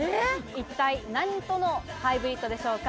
一体何とのハイブリッドでしょうか？